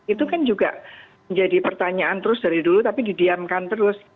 itu kan juga menjadi pertanyaan terus dari dulu tapi didiamkan terus